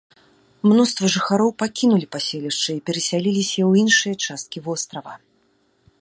Мноства жыхароў пакінула паселішча і перасялілася ў іншыя часткі вострава.